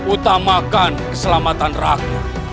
utamakan keselamatan rakyat